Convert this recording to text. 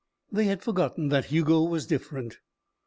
They had forgotten that Hugo was different.